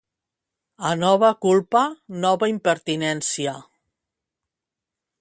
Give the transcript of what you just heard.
A nova culpa, nova impertinència.